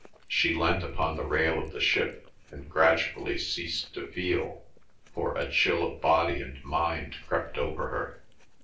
She leant upon the rail of the ship, and gradually ceased to feel, for a chill of body and mind crept over her.